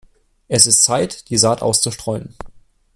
Es ist Zeit, die Saat auszustreuen.